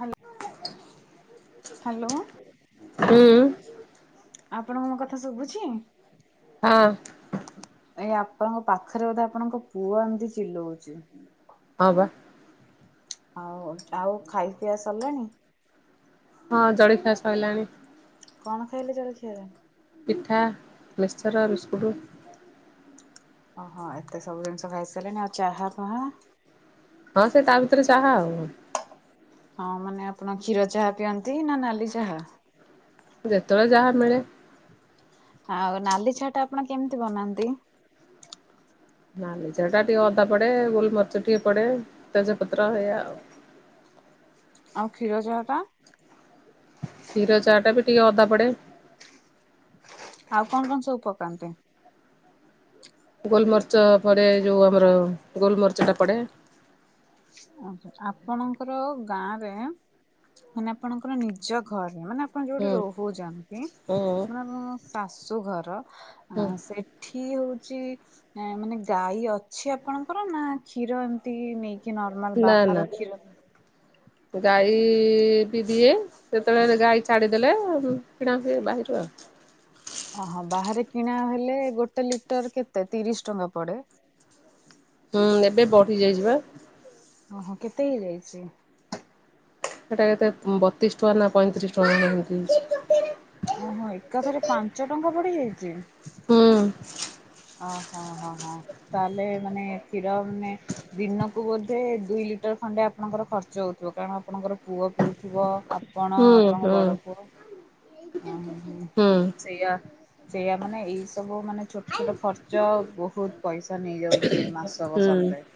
Hello. Hello ହୁଁ ଆପଣଙ୍କ ମୋ କଥା ଶୁଭୁଛି? ହଁ। ଏଇ ଆପଣଙ୍କ ପାଖରେ ବୋଧେ ଆପଣଙ୍କ ପୁଅ ଏମିତି ଚିଲଉଚି। ହଁ ବା। ଆଉ ଆଉ ଖାଇ ପିଆ ସଲାଣି। ହଁ ଜଳି ଖିଆ ସଇଲାଣି। କଣ ଖାଇଲେ ଜଳଖିଆରେ? ପିଠା, ମିକ୍ସର, ବିସ୍କୁଟ୍। ଓହୋ ଏତେ ସବୁ ଜିନିଷ ଖାଇ ସାଇଲେଣି ଆଉ ଚାହା ଫାହା। ହଁ ସେ ତା ଭିତରେ ଚାହା ଆଉ। ହଁ ମାନେ ଆପଣ କ୍ଷୀର ଚାହା ପିଅନ୍ତି ନା ନାଲି ଚାହା? ଯେତେବେଳେ ଯାହା ମିଳେ। ଆଉ ନାଲି ଚାହା ଟା ଆପଣ କେମିତି ବନାନ୍ତି? ନାଲି ଟା ଟିକେ ଅଦା ପଡେ ଗୋଲମରିଚ ଟିକେ ପଡେ ତେଜପତ୍ର ଏଇଆ ଆଉ। ଆଉ କ୍ଷୀର ଚାହା ଟା? କ୍ଷୀର ଚାହା ଟା ବି ଟିକେ ଅଦା ପଡେ। ଆଉ କଣ କଣ ସବୁ ପକାନ୍ତି? ଗୋଲମର୍ଚ ପଡେ ଯୋଉ ଆମର ଗୋଲମର୍ଚ ଟା ପଡେ। ଆ ଆପଣଙ୍କର ଗାଁ ରେ ମାନେ ଆପଣଙ୍କର ନିଜ ଘର ମାନେ ଆପଣ ଯୋଉଠି ହୁଁ ରହୁଚନ୍ତି, ହୁଁ ଆପଣଙ୍କ ଶାଶୁ ଘର ଅ ହୁଁ ସେଠି ହଉଚି ଆ ମାନେ ଗାଈ ଅଛି ଆପଣଙ୍କର ନା କ୍ଷୀର ଏମିତି ନେଇକି ନ ନା ନା। ଗାଈ ବି ଦିଏ। ସେତେବେଳେ ଗାଈ ଛାଡିଦେଲେ କିଣା ହୁଏ ବାହାରୁ ଆଉ। ଓହୋ ବାହାରେ କିଣା ହେଲେ ଗୋଟେ ଲିଟର କେତେ ତିରିଶ ଟଙ୍କା ପଡେ? ହୁଁ ଏବେ ବଢି ଯାଇଯି ବା। ଓହୋ କେତେ ହେଇ ଯାଇଚି? ସେଟା ଏବେ ବତିଶ ଟଙ୍କା ନା ପଇଁତିରିଶ ଟଙ୍କା ଏମିତି ହେଇଚି। ଓହୋ ଏକାଥରେ ପାଞ୍ଚ ଟଙ୍କା ବଢ଼ି ଯାଇଚି? ହୁଁ। ଓହୋ ହ ହଁ ତାହେଲେ ମାନେ କ୍ଷୀର ମାନେ ଦିନ କୁ ବୋଧେ ଦୁଇ ଲିଟର ଖଣ୍ଡେ ଆପଣଙ୍କର ଖର୍ଚ୍ଚ ହଉଥିବ କାରଣ ଆପଣଙ୍କର ପୁଅ ପିଉଥିବ। ଆପଣ ହୁଁ ଆପଣଙ୍କ ହୁଁ ବଡ଼ ପୁଅ। ଓ ହ ହୁଁ ସେଇଆା ସେଇୟା ମାନେ ଏଇ ସବୁ ମାନେ ଛୋଟ ଛୋଟ ଖର୍ଚ୍ଚ ବହୁତ ପଇସା ନେଇଯାଉଚି ମାସକ ସରିଲେ। ହୁଁ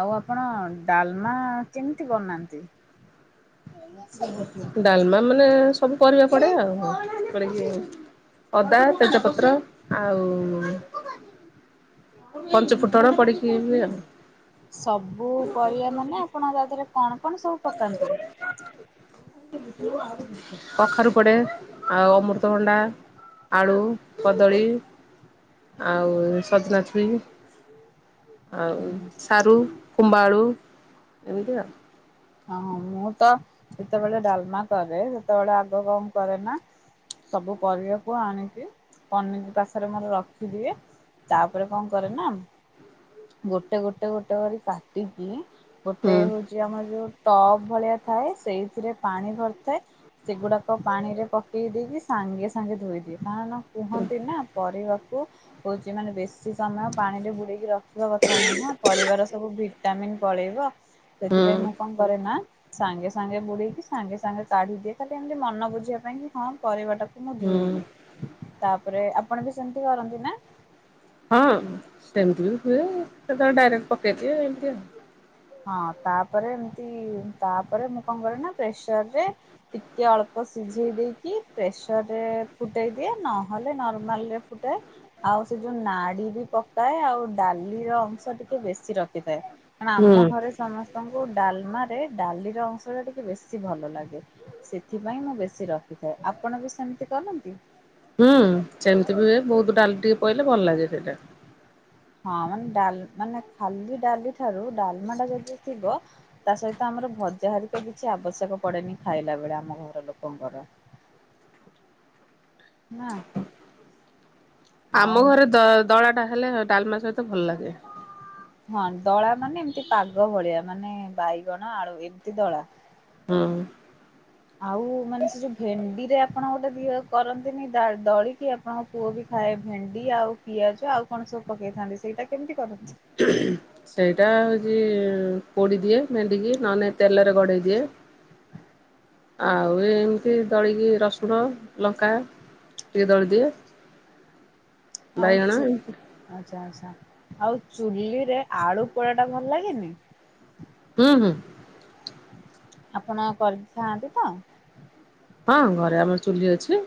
ଆଉ ଆପଣ ଡାଲମା କେମିତି ବନାନ୍ତି? ଡାଲମା ମାନେ ସବୁ ପରିବା ପଡେ ଆଉ। ପଡିକି ଅଦା ତେଜପତ୍ର ଆଉ ପଞ୍ଚ ଫୁଟଣ ପଡିକି ହୁଏ। ସବୁ ପରିବା ମାନେ ଆପଣ ତା ଦେହରେ କଣ କଣ ସବୁ ପକାନ୍ତି? [inaudible] କଖାରୁ ପଡ଼େ ଆଉ ଅମୃତଭଣ୍ଡା ଆଳୁ କଦଳୀ। ଆଉ ସଜନା ଛୁ ଇଁ ଆଉ ହୁଁ ସାରୁ ଖମ୍ବଆଳୁ ଏମିତି ଆଉ। ହଁ ମୁଁ ତ ଯେତେବେଳେ ଡାଲମା କରେ, ସେତେବେଳେ ଆଗ କଣ କରେ ନା ସବୁ ପରିବାକୁ ଆଣିକି ପନିକି ପାଖରେ ମୋର ରଖିଦିଏ। ତାପରେ କଣ କରେ ନା ଗୋଟେ ଗୋଟେ ଗୋଟେ କରି କାଟିକି ଗୋଟେ ହୁଁ ହଉଚି ଆମର ଯୋଉ ଟବ୍ ଭଳିଆ ଥାଏ ସେଇଥିରେ ପାଣି ଭରିଥାଏ। ସେଗୁଡାକ ପାଣିରେ ପକେଇ ଦେଇକି ସାଙ୍ଗେ ସାଙ୍ଗେ ଧୋଇଦିଏ। କାରଣ କୁହନ୍ତି ନା ପରିବାକୁ କଉଚି ମାନେ ବେଶୀ ସମୟ ପାଣିରେ ବୁଡେଇକି ରଖିବା କଥା ନୁହଁ ପରିବାର ସବୁ ଭିଟାମିିନ ପଳେଇବ ହୁଁ ସେଥିପାଇଁ ମୁଁ କଣ କରେ ନା ସାଙ୍ଗେ ସାଙ୍ଗେ ବୁଡେଇକି ସାଙ୍ଗେ ସାଙ୍ଗେ କାଢିଦିଏ। ଖାଲି ଏମିତି ମନ ବୁଝିବା ପାଇଁ କି ହଁ ପରିବାଟାକୁ ମୁଁ ହୁଁ। ଧୋଇଲି। ତାପରେ ଆପଣ ବି ସେମିତି କରନ୍ତି ନା? ହଁ ସେମିତି ବି ହୁଏ। କେତବେଳେ ଡାଇରେକ୍ଟ ପକେଇଦିଏ ଏମତି ଆଉ। ହଁ ତାପରେ ଏମିତି ତାପରେ ମୁଁ କଣ କରେ ନା ପ୍ରେସରରେ ଟିକେ ଅଳ୍ପ ସିଝେଇ ଦେଇକି ପ୍ରେସରରେ ଫୁଟେଇ ଦିଏ ନହେଲେ ନର୍ମାଲରେ ଫୁଟା ଆଉ ସେ ଯୋଉ ନାଡି ବି ପକାଏ। ଆଉ ଡାଲିର ଅଂଶ ଟିକେ ବେଶୀ ରଖିଥାଏ। କାଣ ହୁଁ ଆମ ଘରେ ସମସ୍ତଙ୍କୁ ଡାଲମା ରେ ଡାଲିର ଅଂଶ ଟା ଟିକେ ବେଶୀ ଭଲ ଲାଗେ। ସେଥିପାଇଁ ମୁଁ ବେଶୀ ରଖିଥାଏ। ଆପଣ ବି ସେମିତି କରନ୍ତି? ହୁଁ ସେମିତି ବି ହୁଏ ବହୁତ ଡାଲି ଟିକେ ପଇଲେ ଭଲ ଲାଗେ ସେଇଟା। ହଁ ମାନେ ଡାଲ୍ ମାନେ ଖାଲି ଡାଲି ଠାରୁ ଡାଲମା ଟା ଯଦି ଥିବ ତା ସହିତ ଆମର ଭଜା ହରିକା କିଛି ଆବଶ୍ୟକ ପଡେନି। ଖାଇଲା ବେଳେ ଆମ ଘର ଲୋକଙ୍କର। ନା। ଆଉ ଆମ ଘରେ ଦଳା ଟା ହେଲେ ଡାଲମା ସହିତ ଭଲ ଲାଗେ। ହଁ ଦଳା ମାନେ ଏମିତି ପାଗ ଭଳିଆ ମାନେ ବାଇଗଣ ଆଳୁ ଏମିତି ଦଳା। ହୁଁ। ଆଉ ମାନେ ସେ ଯୋଉ ଭେଣ୍ଡିରେ ଆପଣ ଗୋଟେ ଦିଅ କରନ୍ତିନି ଦଳିକି ଆପଣଙ୍କ ପୁଅ ବି ଖାଏ ଭେଣ୍ଡି ଆଉ ପିଆଜ ଆଉ କଣ ସବୁ ପକେଇଥାନ୍ତି ସେଇଟା କେମିତି କରନ୍ତି? ହୁଁ ସେଇଟା ହୋଉଛି କୋଡି ଦିଏ ଭେଣ୍ଡି କି ନହଲେ ତେଲରେ ଗଡେଇ ଦିଏ। ଆଉ ଏମିତି ଦଳିକି ରସୁଣ ଲଙ୍କା। ଟିକେ ଦଳିଦିଏ। ଆଉ ବାଇଗଣ ଚୁ ଏମିତି ଆଚ୍ଛା ଆଚ୍ଛା ଆଉ ଚୁଲିରେ ଆଳୁ ପୋଡା ଟା ଭଲ ଲାଗେନି। ହୁଁ ହୁଁ। ଆପଣ କରିକିଖାଆନ୍ତି ତ? ହଁ ଘରେ ଆମର ଚୁଲି ଅଛି।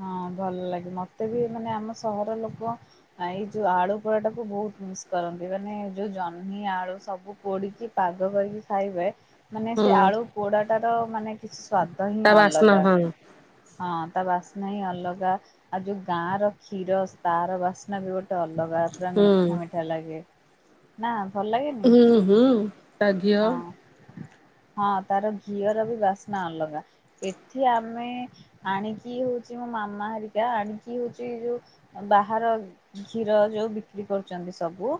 ହଁ ଭଲ ଲାଗେ ମତେ ବି ମାନେ ଆମ ସହର ଲୋକ ଏଇ ଯୋଉ ଆଳୁ ପୋଡା ଟାକୁ ବହୁତ ମିସ୍ କରନ୍ତି। ମାନେ ଯୋଉ ଜହ୍ନି ଆଳୁ ସବୁ ପୋଡିକି ପାଗ କରିକି ଖାଇବେ। ମାନେ ହୁଁ। ସେ ଆଳୁ ପୋଡାଟ ର ମାନେ କିଛି ସ୍ଵାଦ ହିଁ ତା ବାସ୍ନା ଅଲଗା। ହଁ ହଁ ତା ବାସ୍ନା ହିଁ ଅଲଗା ଆଉ ଯୋଉ ଗାଁ ର କ୍ଷୀର ତାର ବାସ୍ନା ବି ଗୋଟେ ଟ ଅଲଗା ପୁରା ହୁଁ ମିଠା ମିଠା ଲାଗେ ନା ଭଲ ଲାଗେନି? ଉଁ ହୁଁ। ତା ଘିଅ ହଁ ହଁ ତାର ଘିଅର ବି ବାସ୍ନା ଅଲଗା। ଏଠି ଆମେ ଆଣିକି ହୋଉଚଛି ମୋ ମାମା ହରିକା ଆଣିକି ହୋଉଚଛି ଯୋଉ ବାହାର କ୍ଷିର ଯୋଉ ବିକ୍ରି କରୁଛନ୍ତି ସବୁ।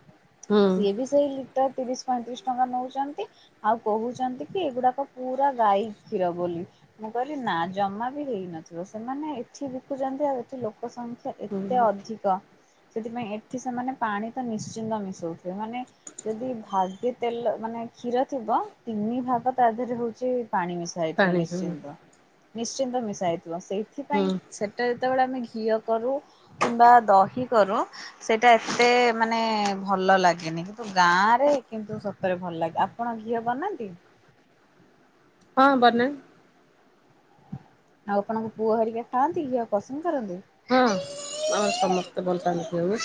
ହୁଁ ସିଏ ବି ସେଇ ଲିଟର ତିରିଶ ପଇଁତିରିଶ ଟଙ୍କା ନଉଛି। ଆଉ କହୁଛନ୍ତି କି ଏଗୁଡାକ ପୁରା ଗାଈ କ୍ଷୀର ବୋଲି। ମୁଁ କହିଲି ନା ଜମା ବି ହେଇନଥିବ ସେମାନେ ଏଠି ବିକୁଛନ୍ତି ଆଉ ଏଠି ଲୋକ ତ ଏତେ ହୁଁ। ଅଧିକ ସେଥିପାଇଁ ଏଠି ସେମାନେ ପାଣି ତ ନିଶ୍ଚିନ୍ତ ମିଶଉଥିବେ। ମାନେ ଯଦି ଭାଗେ ତେଲ ମାନେ କ୍ଷୀର ଥିବ ତିନି ଭାଗ ତା ଦେହରେ ହଉଛି ପାଣି ମିଶା ହୋଇଥିବ ପାଣି ହଁ ନିଶ୍ଚିନ୍ତ। ନିଶ୍ଚିନ୍ତ ମିଶା ହେଇଥିବ। ହୁଁ ସେଇଥିପାଇଁ ସେଟା ଯେତେବେଳେ ଆମେ ଘିଅ କରୁ କିମ୍ବା ଦହି କରୁ। ସେଇଟା ଏତେ ମାନେ ଭଲ ଲାଗେନି କିନ୍ତୁ ଗାଁ ରେ କିନ୍ତୁ ସତରେ ଭଲ ଲାଗେ। ଆପଣ ଘିଅ ବନାନ୍ତି। ହଁ ବର ନା। ଆଉ ଆପଣଙ୍କୁ ପୁଅ ହେରିକା ଖାଆନ୍ତି। ଘିଅ ପସନ୍ଦ କରନ୍ତି। ହଁ ଆମର ସମସ୍ତେ ଭଲ ପାଆନ୍ତି ଘିଅ କୁ।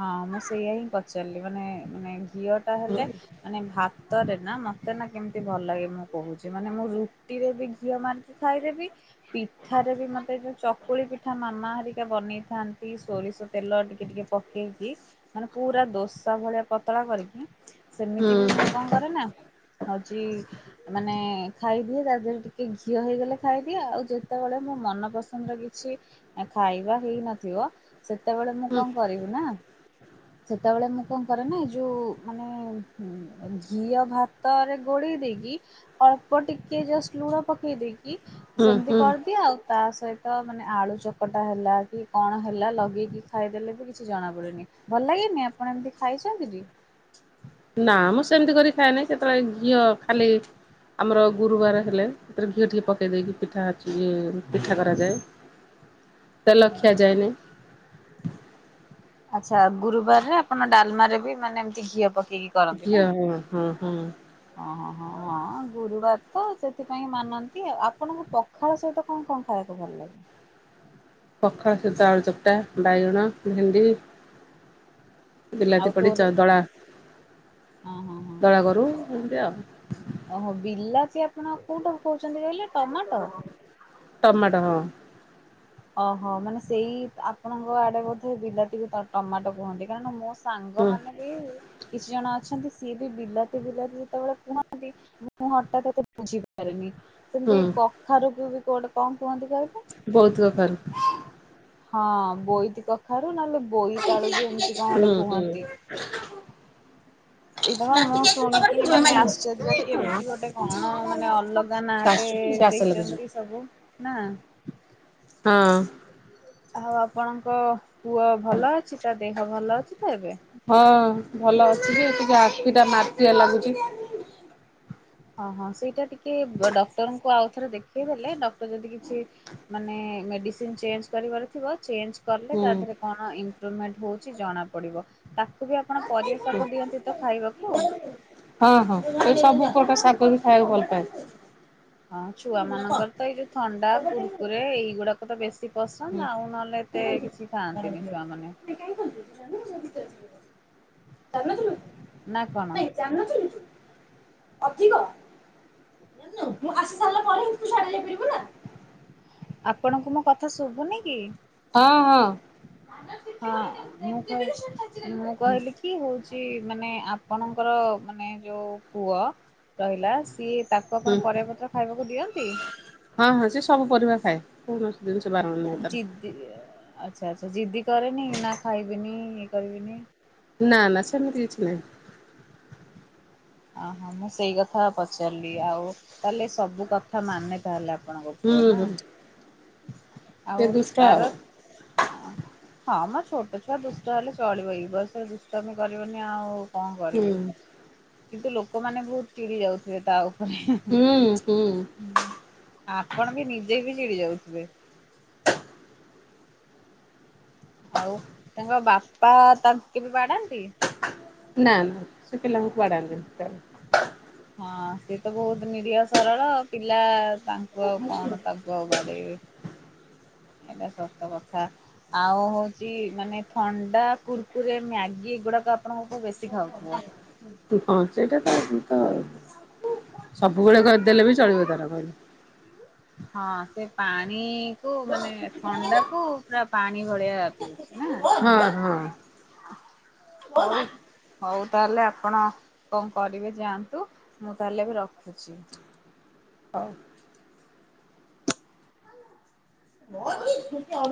ହଁ ମୁଁ ସେଇୟା ହିଁ ପଚାରିଲି ମାନେ ମାନେ ଘିଅ ଟା ହୁଁ ହେଲେ ମାନେ ଭାତରେ ନା ମତେ ନା କେମିତି ଭଲ ଲାଗେ ମୁଁ କହୁଛି ମାନେ ମୁଁ ରୁଟିରେ ବି ଘିଅ ମାରି ଖାଇରେବି ପିଠାରେ ବି ମତେ ଯୋଉ ଚକୁଳି ପିଠା ମାମା ହରିକା ବନେଇଥାନ୍ତି ସୋରିଷ ତେଲ ଟିକେ ଟିକେ ପ ପେଇକି ମାନେ ପୁରା ଦୋସା ଭଳିଆ ପତଳା କରିକି ସେମିତି ବି ମୁଁ ହୁଁ କଣ କରେ ନା ହଉଛି ମାନେ ଖାଇଦିଏ ତା ଦେହରେ ଟିକେ ଘିଅ ହେଇଗଲେ ଖାଇଦିଏ ଆଉ ଯେତବେଳେ ମୋ ମନପସନ୍ଦର କିଛି ଏଁ ଖାଇବା ହେଇ ନଥିବ ସେତେବେଳେ ମୁଁ କଣ ହୁଁ କରିବି ନାଁ ସେତେବେଳେ ମୁଁ କଁ କରେ ନା ଏ ଯୋଉ ମାନେ ହୁଁ ଘିଅ ଭାତରେ ଗୋଳେଇ ଦେଇକି ଅଳ୍ପ ଟିକେ ଜଷ୍ଟ ଲୁଣ ପକେଇ ଦେଇକି ସେମିତି ହୁଁ କରିଦିଏ ଆଉ ତା ସହିତ ମାନେ ଆଳୁ ଚକଟା ହେଲା କି କଣ ହେଲା ଲଗେଇକି ଖାଇଦେଲେ ବି କି ଛି ଜଣା ପଡ଼େନି ଭଲ ଲାଗେନି ଆପଣ ଏମିତି ଖାଇଛନ୍ତି କି? ନାଁ ମୁଁ ସେମିତି କରି ଖାଏ ନାହିଁ କେତୋଳେ ଘିଅ ଖାଲି ଆମର ଗୁରୁବାର ହେଲେ ସେଥିରେ ଘିଅ ଟିିକିଏ ପକେଇ ଦେଇକି ପିଠା ଚି ଏ ପିଠା କରାଯାଏ। ତେଲ ଖିଆ ଯାଏନାଇଁ। ଆଚ୍ଛା ଗୁରୁବାରରେ ଆପଣ ଡ଼ାଲମାରେ ବି ମାନେ ଏମିତି ଘିଅ ପକେଇ କରନ୍ତି ଘିଅ ନାଁ? ହଁ ହଁ ହଁ ହଁ ହଁ ଆ ଗୁରୁବାର ତ ସେଥିପାଇଁ ମାନନ୍ତି ଆଉ ଆପଣଙ୍କୁ ପ ଖାଳ ସହିତ କଁ କଣ ଖାଇବାକୁ ଭଲ ଲାଗେ? ପଖାଳ ସହିତ ଆଳୁ ଚକଟା, ବାଇଗଣ, ଭେଣ୍ଡି ଆଉ ବିଲାତି ପଡ଼ି ତୋର ଚ ଦଳା ହଁ ହଁ ହଁ। ଦଳା କରୁ ଏମିତି ଆଉ। ଓହୋ ବିଲାତି ଆପଣ କୋଉଟାକୁ କୋହୁଚନ୍ତି କହିଲେ ଟମାଟୋ? ଟମାଟ ହଁ। ଅହ ମାନେ ସେଇ ଆପଣଙ୍କ ଆଡ଼େ ବୋଧେ ବିଲାତିକୁ ତ ଟମାଟୋ କୁହନ୍ତି କାରଣ ମୋ ସ୍ ହୁଁ ସାଙ୍ଗମାନେ ବି କିଛି ଜଣ ଛନ୍ତି ସିଏ ବି ବିଲାତି ବିଲାତି ଯେତବେଳେ କୁହନ୍ତି ମୁଁ ହଠାତ୍ ଏତେ ବୁଝିପାରେନି। ହୁଁ ସେମିତି କଖାରୁକୁ ବି କୋଉଟେ କଁ କୁହନ୍ତି କହିଲେ? ବୋଇତି କଖାରୁ। ହଁ ବୋଇତି କଖାରୁ ନହେଲେ ବୋଇତାଳୁ ବି ଏମିତି କଁ ଗୋଟେ କୁହନ୍ତି। ଏଠି ପ୍ରଭୁ ଏଇଟା ବା ମୁଁ ଶୁଣିକି ମାନେ ଆଶ୍ଚର୍ଯ୍ୟ କି ଏମତି ଗୋଟେ କଣ ମାନେ ଅଲ ଗା ନାଁଟେ ଶାଶୁ ଗ୍ୟାସ ଲାଗୁଛି। ଦେଇଚନ୍ତି ସବୁ ନାଁ। ହଁ। ଆଉ ଆପଣଙ୍କ ପୁଅ ଭଲ ଅଛି ତା ଦେହ ଭଲ ଅଛି ତ ଏବେ? ହଁ ଭଲ ଅଛି ଯେ ଟିକେ ଆଖିଟା ମାଟିଆ ଲାଗୁଚି। ହଁ ହଁ ସେଇଟା ଟି ଇ ବ ଡକ୍ଟରଙ୍କୁ ଆଉ ଥରେ ଦେଖେଇ ଦେଲେ ଡ଼କ୍ଟର ଯଦି କିଛି ମାନେ ମେଡ଼ିସି ଚେଞ୍ଜ୍ କରିବାର ଥିବ ଚେଞ୍ଜ୍ କଲେ ହୁଁ। ତା ଦେହରେ କଣ ଇମ୍ପ୍ରୁଭମେଣ୍ଟ୍ ହୋଉଚି ଜଣା ପଡ଼ିବ। ତାକୁ ବି ଆପଣ ପରିବା ଶାଗ ଦିଅନ୍ତି ତ ଖାଇବାକୁ? ହଁ ହଁ ସେ ସବୁ ପ୍ରକାର ଶାଗ ବି ଖାଇବାକୁ ଭଲ ପାଏ। ହଁ ଛୁଆମାନଙ୍କର ତ ଏଇ ଯୋଉ ଥଣ୍ଡା କୁୁରକୁରେ ଏଇଗୁଡ଼ାକ ତ ବେଶୀ ହୁଁ ପସନ୍ଦ ଆଉ ନହେଲେ ଏତେ କିଛି ଖାଆନ୍ତିନି ଛୁଆମାନେ। ଜାଣିନଥିଲୁ? ନାଁ କଣ? ଜାଣିନଥିଲୁ ତୁ? ଅଧିକ ମୁଁ ଆସି ସାରିଲା ପରେ ତୁ ସିଆଡ଼େ ଯାଇପାରିବୁନା। ଆପଣଙ୍କୁ ମୋ କଥା ଶୁଭୁନି କି? ହଁ, ହଁ। ହଁ ମୁଁ କଇ ମୁଁ କହିଲି କି ହଉଚି ମାନେ ଆପଣଙ୍କର ମାନେ ଯୋଉ ପୁଅ ରହିଲା ସିଏ ତାକୁ ହୁଁ ଆପଣ ପରିବା ପତ୍ର ଖାଇବାକୁ ଦିଅନ୍ତି? ହଁ ହଁ ସିଏ ସବୁ ପରିବା ଖାଏ କୌଣସି ଦିରେ ସେ ବାରଣ ନାହିଁ ତାର। ଦି ଆଚ୍ଛା ଆଚ୍ଛା ଜିଦି କରେନି ନାଁ ଖାଇବିନି ଇଏ କରିବିନି? ନା ନା ସେମିତି କିଛି ନାହିଁ। ଓହୋ ମୁଁ ସେଇ କଥା ପଚାରିଲି ଆଉ ତାହେଲେ ସବୁ କଥ କଥା ମାନେ ତାହେଲେ ଆପଣଙ୍କ ପୁଅ ହୁଁ ନା ହୁଁ ଆଉ ଟିକେ ଦୁଷ୍ଟ ଆଉ ତାର ହ ହଁ ମୋର ଛୋଟ ଛୁଆ ଦୁଷ୍ଟ ହେଲେ ଚଳିବ ଏଇ ବର୍ସରେ ଦୁଷ୍ଟାମି କରିବନି ଆଉ କଣ ହୁଁ କରିବି? କିନ୍ତୁ ଲୋକମାନେ ବହୁତ ଚିଡି ଯାଉଥିଲେ ତା ଉପରେ। ହୁଁ ହୁଁ ହଁ ଆପଣ ବି ନିଜେ ବି ଚିଡି ଯାଉଥିବେ। ଆଉ ତାଙ୍କ ବାପା ତା କେବେ ବାଡାନ୍ତି? ନା ନା ସେ ପିଲାମକୁ ବାସନ୍ତିନି। ହଁ ସେ ତ ବହୁତ ନିରହ ସରଳ ପିଲା ତାଙ୍କୁ ଆଉ କଣ ତାଙ୍କୁ ବଡେଇବେ ଏଇଟା ଶତ କଥା। ଆଉ ହେଉଛି ମାନେ ଥଣ୍ଡା କୁୁରକୁରେ ମ୍ୟାଗି ଏଗୁଡ଼ାକ ଆପଣଙ୍କ ବେଶୀ ଖାଉଥିବ? ହଁ ସେଇଟା ତ ତ ସବୁ ବେଳେ କରିଦେଲେ ବି ଚଳିବ ତାର କହିଲେ। ହଁ ସେ ପାଣି କୁ ମାନେ ଥଣ୍ଡା କୁ ପୁରା ପାଣି ଭଳିଆ ପିଉଛି। ନା। ହଁ ହଉ ହଁ ହଉ ତାହେଲେ ଆପଣ କଣ କରିବେ ଯାଆନ୍ତୁ ମୁଁ ତାହେଲେ ବି ରଖୁଛି। ହଉ ନ ଆ